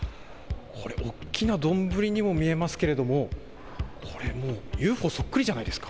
大きな丼にも見えますけどもこれもうＵＦＯそっくりじゃないですか。